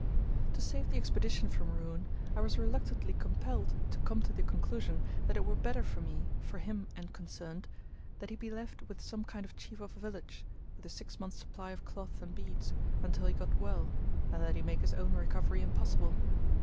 To save the Expedition from ruin, I was reluctantly compelled to come to the conclusion that it were better for me, for him, and concerned, that he be left with some kind chief of a village, with a six months' supply of cloth and beads, until he got well, than that he make his own recovery impossible.